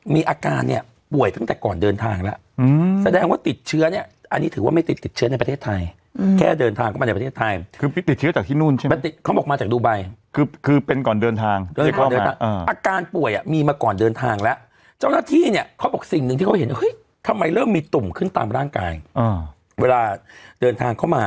มีอาการเนี่ยป่วยตั้งแต่ก่อนเดินทางแล้วแสดงว่าติดเชื้อเนี่ยอันนี้ถือว่าไม่ติดติดเชื้อในประเทศไทยแค่เดินทางเข้ามาในประเทศไทยคือไปติดเชื้อจากที่นู่นใช่ไหมเขาบอกมาจากดูไบคือคือเป็นก่อนเดินทางอาการป่วยอ่ะมีมาก่อนเดินทางแล้วเจ้าหน้าที่เนี่ยเขาบอกสิ่งหนึ่งที่เขาเห็นเฮ้ยทำไมเริ่มมีตุ่มขึ้นตามร่างกายเวลาเดินทางเข้ามา